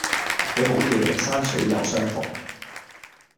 你好嘢，山水有山逢